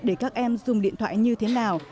về các em dùng điện thoại như thế nào